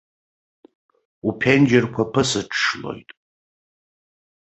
Уԥенџьырқәа ԥысыҽҽлоит.